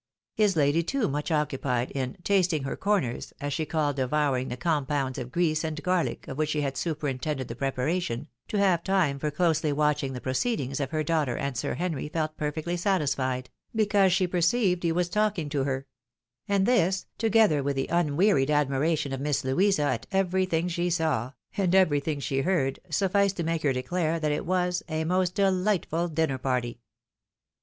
His lady, too much occupied in "tasting her ' comers," as she called devouring the compounds of grease and garlick of which she had superintended the preparation, to have time for closely watching the proceedings of her daughter and Sir Henry felt perfectly satisfied, because she perceived he was talking to her ; and this, together with the unwearied admira tion of Miss Louisa at everything she saw, and everything she heard, sufficed to make her (ieclare that it was " a most delightful dinner party."